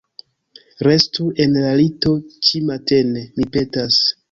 Restu en la lito ĉimatene, mi petas.